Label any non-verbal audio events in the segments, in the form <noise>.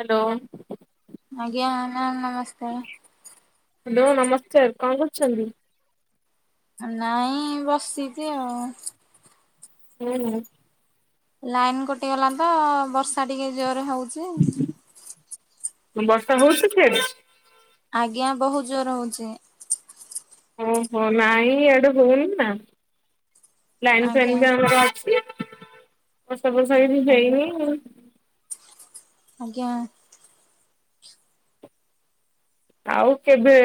Hello. ଆଜ୍ଞା ma'am ନମସ୍କାର। Hello ନମସ୍କାର କଣ କରୁଚନ୍ତି? ନାଇଁ ବସିଚି ଆଉ ହୁଁ ହୁଁ। ଲାଇନ୍ କଟି ଗଲା ତ ବର୍ଷା ଟିକେ ଜୋରେ ହଉଚି। ବର୍ଷା ହଉଚି ସିଆଡେ? ଆଜ୍ଞା ବହୁତ୍ ଜୋରେ ହଉଚି। ଓହୋ ନାଇଁ ଇଆଡ଼େ ହଉନି ନାଁ। ଲାଇନ୍ ଫାଇନ୍ ଆଜ୍ଞା ବି ଆମର ଅଛି ବର୍ଷା ଫର୍ଷା କିଛି ଆଜ୍ଞା ହେଇନି ଆଉ। ଆଜ୍ଞା। ଆଉ କେବେ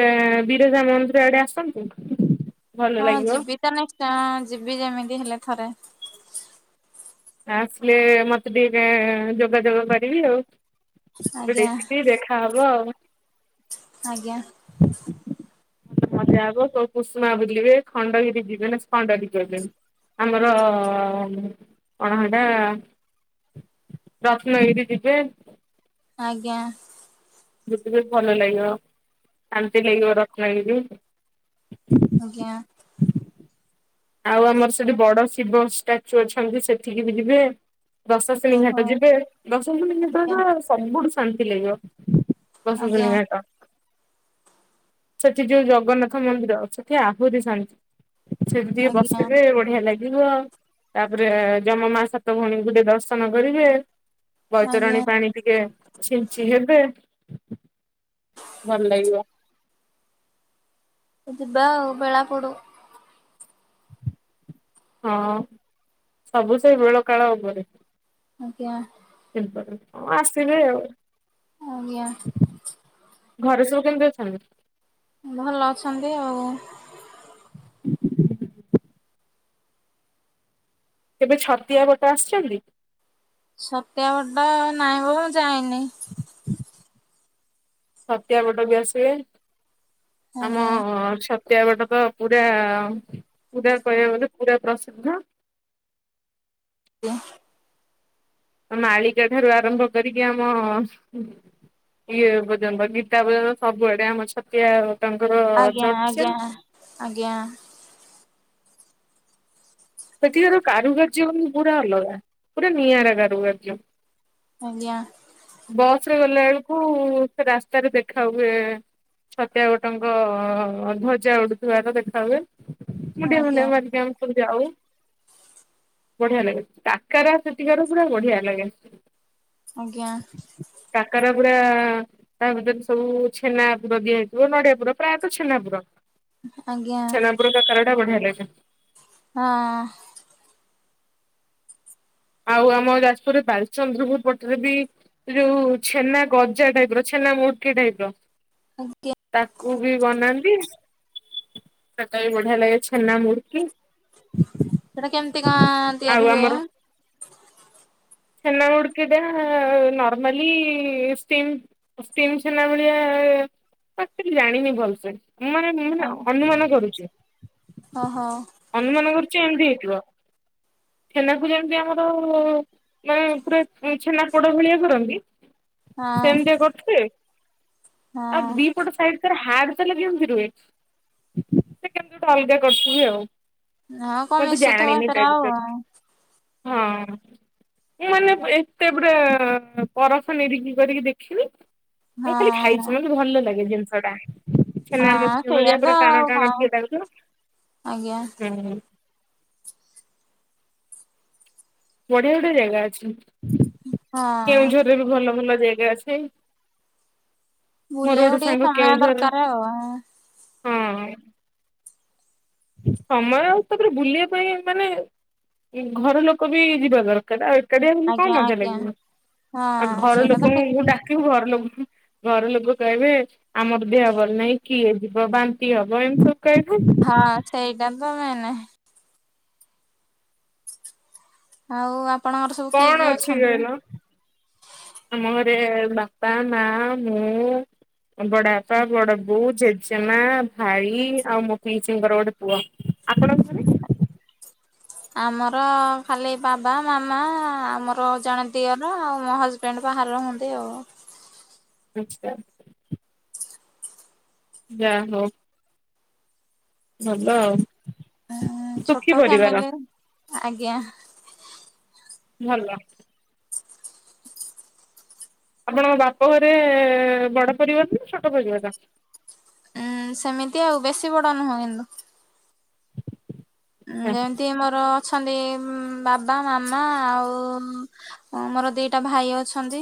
ବିରଜା ମନ୍ଦିର ଆଡ଼େ ଆସନ୍ତୁ। ଭଲ ହଁ ଲାଗିବ ଯିବି ତ ନେ ଯିବି ଯେମିତି ହେଲେ ଥରେ। ଆସିଲେ ମତେ ଟିକେ ଯୋଗା ଯୋଗ କରିବି ଆଉ ଆଜ୍ଞା ଦେଇକି ଦେଖା ଆବ ଆଉ। ଆଜ୍ଞା। ହ ମଜା ହବ ସବୁ କୁଷୁମା ବୁଲିବେ ଖଣ୍ଡଗିରି ଯିବେ ନାଁ ଖଣ୍ଡଗିରି କରିବେ। ଆମର ଅଣହାଣ୍ଡା ରତ୍ନଗିରି ଯିବେ ଆଜ୍ଞା। ବୁଟି ଲେ ଭଲ ଲାଗିବ ଶାନ୍ତି ଲାଗିବ ରତ୍ନଗିରି। ଆଜ୍ଞା। ହୁଁ ଆଉ ଆମର ସେଠି ବଡ ଶିବ ଷ୍ଟାଚୁ ଅଛନ୍ତି ସେଠିକି ବି ଯିବେ। ଦଶଶିନୀ ଓହୋ ଘାଟ ଯିବେ ଦଶଶିନୀ ଆଜ୍ଞା ଘାଟରେ ତ ସବୁଠୁ ଶାନ୍ତି ଲାଗିବ। ଆଜ୍ଞା ବସସିନି ଘାଟ। ସେଠି ଯୋଉ ଜଗନ୍ନାଥ ମନ୍ଦିର ସେଠି ଆହୁରି ଶାନ୍ତି ସେଠି ଟିକେ ଆଜ୍ଞା ବସିଲେ ବଢିଆ ଲାଗେ। ଯିବ ତାପରେ ଯମ ମା ସାତ ଭଉଣୀଙ୍କୁ ଦର୍ଶନ କରିବେ। ଆଜ୍ଞା ବୈତରଣୀ ପାଣି ଟିକେ ଛିଞ୍ଚି ହେବେ ଭଲ ଲାଗିବ। ଯିବା ବେଳା ପଡୁ। ହଁ ସବୁ ସେଇ ବେଳ କାଳ ଉପରେ। ଆଜ୍ଞା। ହଁ ଆସିବେ ଆଉ। ଆଜ୍ଞା। ଘରେ ସବୁ କେମିତି ଅଛନ୍ତି? ଭଲ ଅଛନ୍ତି ଆଉ। କେବେ ଛତିଆ ଗୋଟା ଆସଚନ୍ତି? ସତ୍ୟାବଟା ନାଇଁ ବା ମୁଁ ଯାଇନି। ଛତିଆ ପଟା ବି ଆସିବେ ଆମ ଆଜ୍ଞା। ଛ ତିଆ ବାଟ ତ ପୁରା ପୁରା କହିବାକୁ ଗଲେ ପୁରା ପ୍ରସିଦ୍ଧ। ଆ ମାଳିକା ଠାରୁ ଆରମ୍ଭ କରିକି ଆମ ହୁଁ ଇଏ ପର୍ଯ୍ୟନ୍ତ ଗୀତା ପର୍ଯ୍ୟନ୍ତ ସବୁଆଡେ ଆମ ଛତିଆ ବଟ ଙ୍କର ଆଜ୍ଞା ଆଜ୍ଞା ଚର୍ଚ୍ଚା। ଆଜ୍ଞା ସେଠିକାର କାରୁକାର୍ଯ୍ୟ ପୁରା ଅଲଗା ପୁରା ନିଆରା କାରୁକାର୍ଯ୍ୟ। ଆଜ୍ଞା ବସ୍ ରେ ଗଲା ବେଳକୁ ସେ ରାସ୍ତାରେ ଦେଖା ହୁଏ। ଛତିଆ ବଟଙ୍କ ଧ୍ୱଜା ଉଡୁଥିବାର ଦେଖା ହୁଏ। ମୁଣ୍ଡିଆ ଆଜ୍ଞା ଫୁଣ୍ଡିଆ ମାରିକି ଆମେ ଯାଉ ବଢିଆ ଲାଗେ, କାକରା ସେଠିକାର ପୁରା ବଢିଆ ଲାଗେ। ଆଜ୍ଞା କାକରା ପୂରା ତା ଭିତରେ ତ ସବୁ ଛେନାପୂର ଦିଆ ହେଇଥିବ ନଡିଆ ପୂର ପ୍ରାୟତଃ ଛେନା ପୂର। ଆଜ୍ଞା ପୂର କାକରା ଟା ବଢ଼ିଆ ଲାଗେ। ହଁ ଆଉ ଆମ ଯାଜପୁରରେ ବାଲିଚନ୍ଦ୍ରପୁର ପଟରେ ବି ଯୋଉ ଛେନା ଗଜା ଟାଇପ ର ଛେନା ମୁଡ଼କି ଟାଇପ ର ଆଜ୍ଞା ତାକୁ ବି ବନାନ୍ତି ସକାଳେ ବି ବଢାଆ ଲାଗେ ଛେନା ମୂଁଡକି। ସେଟା କେମତି କଁ ଆଉ ତିଆରି ହୁଏ ଆମର ହାଁ ଛେନା ମୁଡକି ଟା ନାର୍ମଲି ଷ୍ଟିମ୍ ଷ୍ଟିମଛେନା ମିଳିବା ଆକଟ୍ୟୁଆଲି ଜାଣିନି ଭଲସେ ମୁଁ ମାନେ ମୁଁ ଓ ମାନେ ଅନୁମାନ କରୁଚି। ହୋ ହଁ ଅନୁମାନ କରୁଚି ଏମିତି ହେଇଥିବ। ଛେନାକୁ ଯେମିତି ଆମର ଓ ମାନେ ପୁରା ଛେନାପୋଡ ଭଳିଆ କରନ୍ତି ସେମତିଆ କରୁ ଥିବେ ହଁ ଆଉ <unintelligible> ଗୋଟେ ସାଇଡ ତାର ହାଡ ତାହେଲେ କେମିତି ରୁହେ ସେ କେମିତି ଗୋଟେ ଅଲଗା କରିୁଥିବେ ଆଉ। ହଁ କଣ ମୁ ଏତେ ମିଶୁଥିବ ଜାଣିନି ତା ସେଥିରେ ଆଉ ବିଷୟରେ, ହଁ ହଁ ମୁଁ ମାନେ ଏତେ ପୂରା ପରଖ ନିରିଖି କରିକି ଦେଖିନି। ମୁଁ ଖାଲି ଖାଇଛି ମତେ ଭଲ ଲାଗେ ଜିନିଷ ଟା ଛେନା ହଁ ମୁଡ଼କି ସେଇଆ ଭଳିୟା ପୁରା ତ ଟାଣ ଆଉ ଟାଣ କଣ ଟିକେ ଆଜ୍ଞା ଲାଗୁଥିବ। ହୁଁ ବଢିଆ ବଢିଆ ଜାଗା ଅଛି ହଁ କେଉଁଝରରେ ବି ଭଲ ଭଲ ଜାଗା ଅଛି। ମୋର ଗୋଟେ ବୁଲିବାକୁ ଟିକେ ସାଙ୍ଗ ସମୟ କେଉଁଝର ଦରକାର ଆଉ ହଁ ସମୟ ତାପରେ ବୁଲିବା ପାଇଁ ମାନେ ଘର ଲୋକ ବି ଯିବା ଦରକାର। ଆଉ <unintelligible> କଣ ଆଜ୍ଞା ମଜା ଆଜ୍ଞା ଲାଗିବ ଆଉ ହଁ ଘର ସେଇଟା ତ ଠିକ ଲୋକଙ୍କୁ ଡାକିବୁ ଘର ଲୋକ ଘରଲୋକ କହିବେ, ଆମର ଦେହ ଭଲ ନାହିଁ କିଏ ଯିବ ବାନ୍ତି ହବ ଏମିତି ସବୁ କହିବେ। ହଁ ସେଇଟା ତ ମେନେ ଆଉ ଆ କଣ ଅଛି ଗାଇଲ ଆମ ଘରେ ବାପା, ମା, ମୁଁ ବଡବାପା, ବଡବୋଉ, ଜେଜେମା, ଭାଇ ଆଉ ମୋ ପିଇସିଙ୍କର ଗୋଟେ ପୁଅ ଆପଣଙ୍କ ଘରେ? ଆମର ଖାଲି ବାବା, ମାମା ଆମର ଜଣେ ଦିଅର ଆଉ ମୋ ହଜବେଣ୍ଟ। ହଜବେଣ୍ଟ ବାହାରେ ରହନ୍ତି ଆଉ। ଆଚ୍ଛା। ଯା ହଉ। ଭଲ ଆଉ। ଉଁ ସୁଖୀ ଛୋଟ ପରିବାର ଫ୍ୟାମିଲି, ଆଜ୍ଞା। ଭଲ। ଆପଣଙ୍କ ବାପ ଘରେ ବଡ ପରିବାର ନା ଛୋଟ ପରିବାର? ଉଁ ସେମିତି ଆଉ ବେଶୀ ବଡ ନୁହଁ କିନ୍ତୁ। ଆଚ୍ଛା ଯେମିତି ମୋର ଅଛନ୍ତି ଉଁ ବାବା, ମାମା ଆଉ ମୋର ଦିଟା ଭାଇ ଅଛନ୍ତି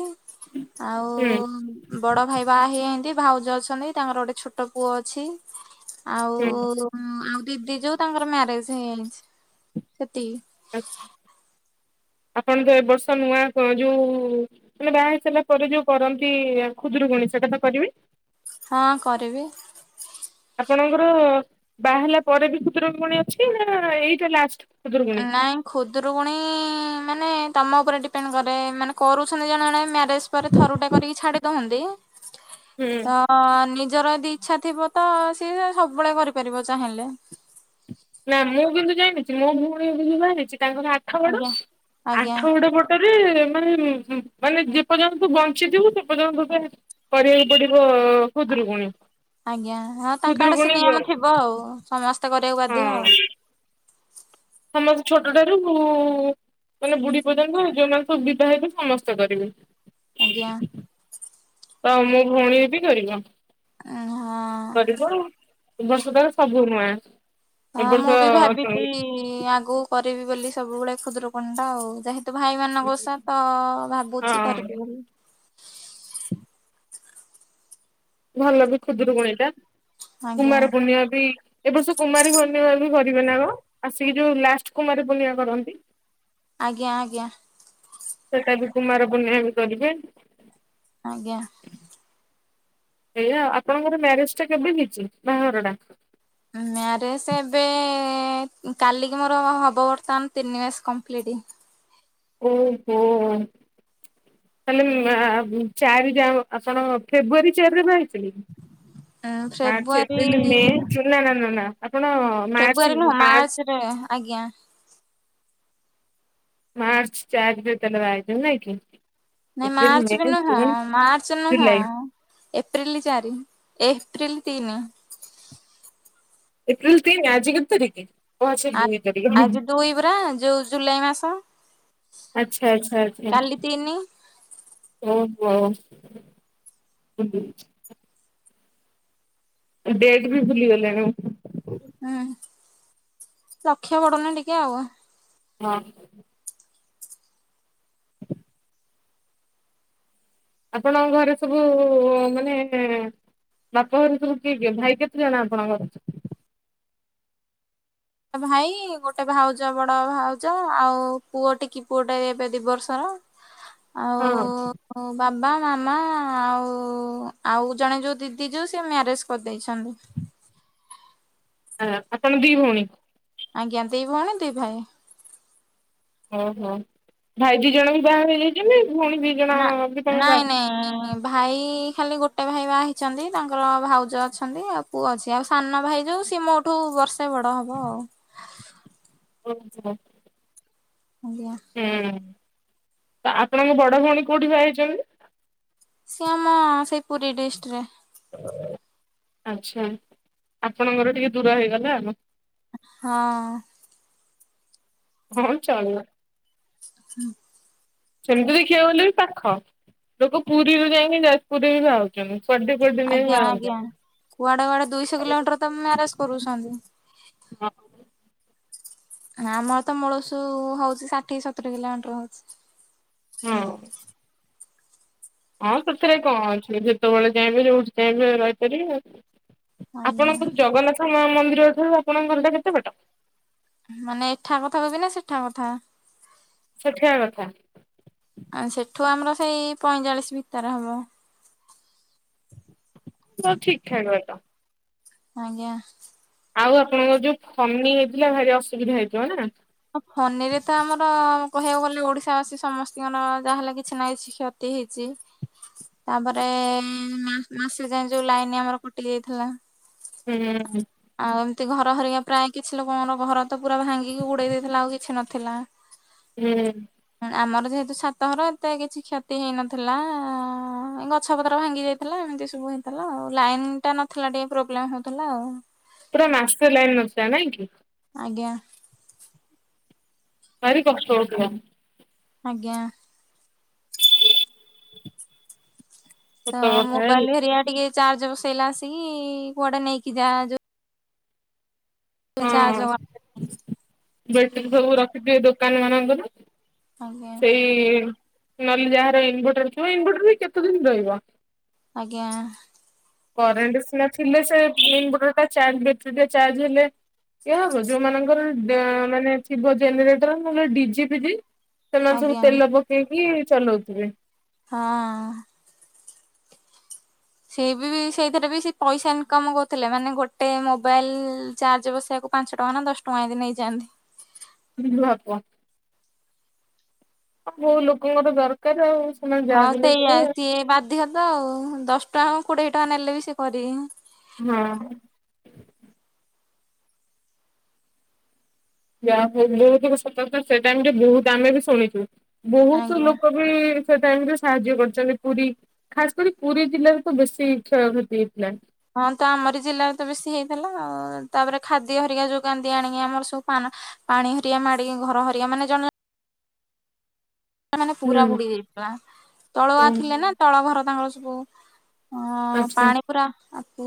ଆଉ ହୁଁ ବଡ ଭାଇ ବାଆ ହେଇ ଏନ୍ତି ଭାଉଜ ଅଛନ୍ତି ତାଙ୍କର ଗୋଟେ ଛୋଟ ପୁଅ ଅଛି। ଆଉ ଆଉ ଦିଦି ଯୋଉ ତାଙ୍କର ମ୍ୟାରେଜ ହେଇଯାଇଛି ସେତିକି। ଆ ଆପଣ ତ ଏ ବର୍ଷ ନୂଆ କ ଯୋଉ ବାହା ହେଇସାରିଲା ପରେ ଯୋଉ କରନ୍ତି ଖୁଦରୁକୁୁଣୀ ସେଟା ତ କରିବି? ହଁ କରିବେ। ଆପଣଙ୍କର ବାହା ହେଲା ପରେ ବି ଖୁଦୁରକୁଣୀ ଅଛି ନା ଏଇଟା ଲାଷ୍ଟ? ଖୁଦୁରୁକୁଣୀ? ନାଇଁ। ଖୁଦୁରୁକୁଣୀ ମାନେ ତମ ଉପରେ ଡିପେଣ୍ଡ କରେ ମାନେ କରୁଛନ୍ତି ଜଣେ ଜଣେ ମା ଥରୁଟେ କରିକି ଛାଡି ଦହନ୍ତି ହୁଁ। ତ ଅ ନିଜର ଯଦି ଇଛା ଥିବ ତ ସିଏ ସବୁବେଳେ କରିପାରିବ ଚାହିଁଲେ। ନା ମୁଁ କିନ୍ତୁ ଜାଣିଛି ମୋ ଭଉଣୀ କୁ ଯିଏ ବାହା ହେଇଛି ତାଙ୍କ ଘର ଆଠଗଡ। ଆଜ୍ଞା ଆଜ୍ଞା ଆଠଗଡ ପ ରେ ମାନେ ମାନେ ଯେପର୍ଯ୍ୟନ୍ତ ତୁ ବଞ୍ଚିଥିବୁ ସେପର୍ଯ୍ୟନ୍ତ ତତେ କରିବାକୁ ପଡିବ ଆ ଖୁଦୁରୁକୁଣୀ ଆଜ୍ଞା ହଁ ତାଙ୍କ ଆଡେ ସେ ଖୁଦୁରୁକୁଣୀ ହଁ ନିୟମ ଥିବ ଆଉ। ସମସ୍ତେ କରିବାକୁ ବାଧ୍ୟ। ସମସ୍ତେ ଛୋଟ ଠାରୁ ବୁ ମାନେ ବୁଢୀ ପର୍ଯ୍ୟନ୍ତ ଯୋଉମାନେ ସବୁ ବିବାହିତ ସମସ୍ତେ କରିବେ। ଆଜ୍ଞା। ତ ମୋ ଭଉଣୀ ବି କରିବ। ହଁ। କରିବ ଆଉ। ଏ ବର୍ଷ ତର ସବୁ ନୂଆଁ। ହଁ ମୁଁ ବି ଭାବିଛି ଆଗକୁ କରିବି ବୋଲି ସବୁବେଳେ ଖୁଦୁରୁକୁଣୀ ଟା ଆଉ। ଯା ଭାଇମାନଙ୍କ ଓଷା ତ ଭାବୁଛି କରିବି ବୋଲି। ଭଲ ବି ଖୁଦୁରୁକୁଣି ଟା। ଆଜ୍ଞା କୁମାର ପୂର୍ଣ୍ଣିମା ବି ଏ ବର୍ଷ କୁମାରୀ <unintelligible> କରିବେ ନା କଣ ଆସିକି ଯୋଉ ଲାଷ୍ଟ କୁମାରି ପୁର୍ଣ୍ଣିମା କରନ୍ତି। ଆଜ୍ଞା ଆଜ୍ଞା। ସେଟା ବି କୁମାର ପୂର୍ଣ୍ଣିମା ବି କରିବେ। ଆଜ୍ଞା। ଏଇଆ ଆଉ। ଆପଣଙ୍କର ମ୍ୟାରେଜ ଟା କେବେ ହେଇଛି ବାହାଘର ଟା? ମ୍ୟାରେଜ ଏବେ କାଲିକି ମୋର ହ ହବ ବର୍ତ୍ତମାନ ତିନି ମାସ କମ୍ପ୍ଲିଟ୍। ଓହୋ। ତାହେଲେ ଆଁ ଚାରି ଯା ଆପଣ ଫେବୃଆରୀ ଚାରିରେ ବାହାହେଇ ଉଁ ମାର୍ଚ୍ଚ, ଫେବୃଆରୀ ଏପ୍ରିଲ, ମେ ଚୁନା ନାଁ ନାଁ ନାଁ ଆପଣ ଫେବୃଆରୀ ନୁହଁ ମାର୍ଚ୍ଚ ରେ ଆଜ୍ଞା। ମାର୍ଚ୍ଚ ଚାରି ରେ ତାହେଲେ ବାହା ହେଇକ ନାହିଁ କି? ନାଇଁ ଏପ୍ରିଲ ମେ ମାର୍ଚ୍ଚ ବି ନୁହଁ, ଜୁନ ମାର୍ଚ୍ଚ ନୁହଁ। ଜୁଲାଇ ଏପ୍ରିଲ ଚାରି, ଏପ୍ରିଲ ତିନି। ଏପ୍ରିିଲ୍ ତିନି ଆଜିି କେତେ ତାରିକି ଆ ଆଜି ଦୁଇ ପରା ଯୋଉ ଜୁଲାଇ ମାସ ଆଚ୍ଛା ଆଚ୍ଛା ଆଛା ଆଜି କାଲି ଓହୋ ଡେଟ୍ ବି ଭୁଲି ଗଲାଣି ହୁଁ ଲକ୍ଷ୍ୟ ବଡ଼ ନା ଟିକେ ଆଉ ହଁ ଆପଣଙ୍କ ଘରେ ସବୁ ମାନେ ବାପା ଘରେ ସବୁ କିଏ କିଏ ଭାଇ କେତେ ଜଣ ଆପଣଙ୍କର ଭାଇ ଗୋଟେ ଭାଉଜ ବଡ଼ ଭାଉଜ ଆଉ ପୁଅ ଟିକି ପୁଅ ଟେ ଏବେ ଦି ବର୍ଷର ହ ଆଉ ବାବା ମାମା ଆଉ ଆଉ ଜଣେ ଯୋଉ ଦିଦି ଯୋଉ ସେ ମ୍ୟାରେଜ୍ କରିଯାଇଛନ୍ତି ହାଲୋ ଆପଣ ଦି ଭଉଣୀ ଆଜ୍ଞା ଦି ଭଉଣୀ ଦି ଭାଇ ଓହୋ ଭାଇ ଦିଜଣ ବି ବାହା ହେଇଯାଇଛନ୍ତି ଭଉଣୀ ଦିଜଣ ନା ବି ନାଇଁ ବାହା ନାଇଁ ଭାଇ ଖାଲି ଗୋଟେ ଭାଇ ବାହାହେଇଛନ୍ତି ତାଙ୍କର ଭାଉଜ ଅଛନ୍ତି ଆଉ ପୁଅ ଅଛି ଆଉ ସାନ ଭାଇ ଯୋଉ ସିଏ ମୋ ଠୁ ବର୍ଷେ ବଡ଼ ହବ ଆଉ ହୁଁ ହଁ ଆଜ୍ଞା ହୁଁ ତ ଆପଣଙ୍କ ବଡ଼ ଭଉଣୀ କେଉଁଠି ବାହାହେଇଛନ୍ତି ସିଏ ଆମ ସେଇ ପୁରୀ ଡିଷ୍ଟ୍ରିକିରେ ଆଛା ଆପଣଙ୍କର ଟିକେ ଦୂର ହେଇଗଲା ଆଉ ହଁ ହଁ ଚଳିବ ହୁଁ ସେମିତି ଦେଖିବାକୁ ଗଲେ ବି ପାଖ ଲୋକ ପୁରୀରୁ ଯାଇକି ଯାଜପୁରରେ ବି ବାହା ହେଉଛନ୍ତି କୁଆଡ଼େ କୁଆଡ଼େ ଆଜ୍ଞା ଯାଇକି ବାହା ଆଜ୍ଞା। କୁଆଡେ କୁଆଡେ ଦୁଇଶହ ହେଉଛନ୍ତି କିଲୋମିଟର ତ ମ୍ୟାରେଜ୍ କରୁଛନ୍ତି ଆମର ତ ମୂଳସୁ ହଉଛି ଷାଠିଏ ସତୁରି କିଲୋମିଟର ହେଉଛି ହୁଁ ହଁ ସେଥିରେ କଣ ଅଛି ଯେତେବେଳେ ଚାହିଁବେ ଯୋଉଠି ଚାହିଁବେ ରହିପାରିବେ ଆଉ ଆଜ୍ଞା। ଆପଣଙ୍କର ଜଗନ୍ନାଥ ମନ୍ଦିର ଠାରୁ ଆପଣଙ୍କ ଘରଟା କେତେ ବାଟ ମାନେ ଏଠା କଥା କହୁଛ ନା ସେଠା କଥା ସେଠା କଥା ଆ ସେଠୁ ଆମର ସେଇ ପଇଁଚାଳିଶ ଭିତରେ ହବ ହେଉ ଠିକ୍ ଠାକ୍ କହିଲ ଆଜ୍ଞା ଆଉ ଆପଣଙ୍କ ଯୋଉ ଫନି ହେଇଥିଲା ଭାରି ଅସୁବିଧା ହେଇଥିବ ନା ଫନିରେ ତ ଆମର କହିବାକୁ ଗଲେ ଓଡିଶା ବାସୀ ସମସ୍ତଙ୍କର ଯାହା ହେଲେ କିଛି ନାହିଁ କ୍ଷତି ‌କ୍ଷତି ହେଇଛି ତାପରେ ମାସେ ଯାଏ ଲାଇନି ଆମର କଟିଯାଇଥିଲା ହୁଁ ଆଉ ଏମିତି ଘର ଭାଙ୍ଗିବା ପ୍ରାୟ କିଛି ଲୋକଙ୍କର ଘର ତ ପୁରା ଭାଙ୍ଗିକି ଉଡ଼େଇ ଦେଇ ଥିଲା ଆଉ କିଛି ନଥିଲା ହୁଁ। ଆମର ଯେହେତୁ ଛାତଘର ଏତେ କିଛି କ୍ଷତି ହେଇନଥିଲା ଗଛ ପତ୍ର ଭାଙ୍ଗି ଯାଇ ଥିଲା ଏମିତି ସବୁ ହେଇଥିଲା ଆଉ ଲାଇନ ଟା ନଥିଲା ଟିକେ ପ୍ରୋବ୍ଲେମ ହେଉଥିଲା ଆଉ ପୁରା ମାଷ୍ଟର ଲାଇନ୍ ନଥିଲା ନାଇଁ କି। ଆଜ୍ଞା। ଭାରି କଷ୍ଟ ହଉଥିବ। ଆଜ୍ଞା। ତ ସତ କଥା ହେଲେ ମୋବାଇଲ ହରିଆ ଟିକେ ଚାର୍ଜ ବସେଇଲା ଆସିକି କୁଆଡେ ନେଇକି ଯା ଯୋଉ ଚାର୍ଜ <unintelligible> ବ୍ୟାଟେରୀ ସବୁ ରଖିଥିବେ ଦୋକାନ ମାନଙ୍କରେ ଆଜ୍ଞା ସେଇ ନହେଲେ ଯାହାର ଇନଭଟର ଥିବ ଇନଭଟର ବି କେତେ ଦିନ ରହିବ ଆଜ୍ଞା। କରେଣ୍ଟ ସିନା ଥିଲେ ସେ ଇନ୍ଭର୍ଟର୍ ଟା ଚାର୍ଜ ବ୍ୟାଟେରୀ ଟା ଚାର୍ଜ ହେଲେ ହବ ଯୋଉ ମାନଙ୍କର ମାନେ ଥିବ ଜେନେଟର ନହେଲେ ଡିଜି ପି ସେମାନେ ସବୁ ଆଜ୍ଞା ତେଲ ପକେଇକି ଚଲଉଥିବେ। ହଁ। ସେ ବି ସେଇଥିରେ ବି ସେ ପଇସା ଇନକମ୍ କରୁଥିଲେ ମାନେ ଗୋଟେ ମୋବାଇଲ ଚାର୍ଜ ବସେଇବାକୁ ପାଞ୍ଚଟଙ୍କା ନା ଦଶଟଙ୍କା ଏମତି ନେଇଯାଆନ୍ତି। <unintelligible> ଅ କୋଉ ଲୋକଙ୍କର ଦରକାର ଆଉ ସେମାନେ ହଁ ଯାହା ବି ହେଲେ ସେଇଆ, କରିବେ ସିଏ ବାଧ୍ୟତ ଆଉ ଦଶଟଙ୍କା କୋଡିଏଟଙ୍କା ନେଲେ ବି ସିଏ କରିବେ। ହଁ। ଯାହା ହଉ ବହୁତ ସତ ସେଟାମ ବହୁତ ଆମେ ବି ଶୁଣିଛୁ ବହୁତ ଆଜ୍ଞା। ଲୋକ <unintelligible> ସେଟାଇମ ରେ ସାହାଯ୍ୟ କରିଛନ୍ତି ପୁରୀ ଖାସ କରି ପୁରୀ ଜିଲ୍ଲାରେ ତ ବେଶୀ କ୍ଷୟକ୍ଷତି ହେଇଥିଲା। ହଁ ତ ଆମରି ଜିଲ୍ଲାରେ ତ ବେଶୀ ହେଇଥିଲା ତାପରେ ଖାଦ୍ୟ ହରିକା ଯୋଉ କାନ୍ଦ ଆଣିକି ଆମର ସବୁ ପାନ ପାଣି ହରଆ ମାଡିକି ଘର ହରିଆ ମାନେ ଜଣେ ମାନେ ପୁରା ହୁଁ। ବୁଡି ଯାଇଥିଲା ତଳୁଆ ଥିଲେ ଓହୋ ନା ତଳ ଘର ତାଙ୍କର ସବୁ। ହଁ ଆଚ୍ଛା ପାଣି ପୁରା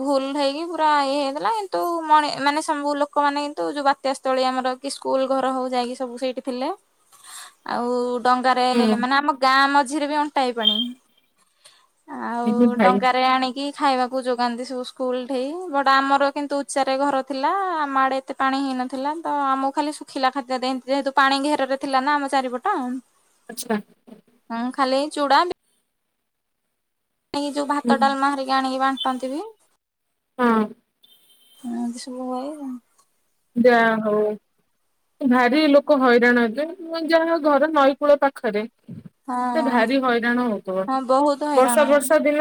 ଭୁଲ ହେଇକି ପୁରା ଇଏ ହେଇଥିଲା କିନ୍ତୁ ମଣି ମାନେ ସବୁ ଲୋକମାନୋନ କିନ୍ତୁ ଯୋଗା ତ୍ୟା ସ୍ଥଳୀ ଆମର କି ସ୍କୁଲ ଘର ହଉ ଯାଇକି ସବୁ ସେଇଠି ଥିଲେ ଆଉ ଡଙ୍ଗାରେ ହୁଁ ହେଲେ ମାନେ ଆମ ଗାଁ ମଝିରେ ବି ଅଣ୍ଟା ହେଇ ପାଣି। ଆଉ ଏହି ଭାଇ ଡଙ୍ଗାରେ ଆଣିକି ଖାଇବାକୁ ଯୋଗାନ୍ତି ସବୁ ସ୍କୁଲ ଠେଇ ବଟ ଆମର କିନ୍ତୁ ଉଚ୍ଚାରେ ଘର ଥିଲା ଆମ ମାଡେ ଏତେ ପାଣି ହେଇନଥିଲା ତ ଆମକୁ ଖାଲି ଶୁଖିଲା ଖାଦ୍ୟ ଦେଅନ୍ତି ଯେହେତୁ ପାଣି ଘେରରେ ଥିଲା ନା ଆମ ଚାରିପଟ। ଆଛା। ହଁ ଖାଲି ଏ ଚୁଡା ଏ ଯୋଉ ହୁଁ ଭାତ ଡାଲମା ହାରିକି ଆଣିକି ବାଣ୍ଟନ୍ତି ବି ହଁ ଏନ୍ତୀ ସବୁ ହୁଏ। ଯାହା ହଉ ଭାରି ଲୋକ ହଇରାଣ ହେଲେ ଯାହା ହ ଘର ନଈକୂଳ ପାଖରେ। ହଁ ସେ ଭାରି ହଇରାଣ ହଉଥିବ ହଁ ବହୁତ ବର୍ଷା ହଇରାଣ। ବର୍ଷା ଦିନେ